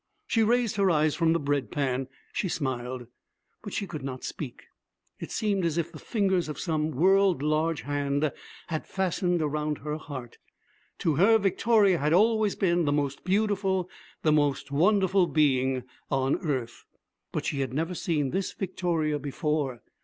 She raised her eyes from the bread pan. She smiled. But she could not speak. It seemed as if the fingers of some world large hand had fastened around her heart. To her Victoria had always been the most beautiful, the most wonderful being, on earth. But she had never seen this Victoria before.